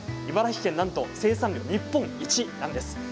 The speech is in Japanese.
茨城県、なんと生産量日本一なんです。